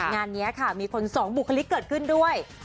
งานนี้ค่ะมีคนสองบุคลิกเกิดขึ้นด้วย